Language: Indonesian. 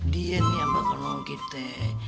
dia nih yang bakal nunggu kita